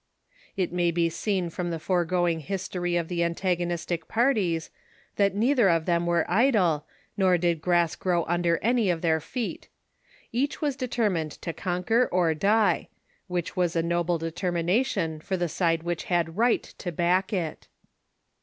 It may be seen from the foregoing history of the antago nistic parties, that neither of them were idle, nor did grass grow under any of their fe?t. Each was determined to conquer or die ; which was a noble determination for the side which had riglit to back it.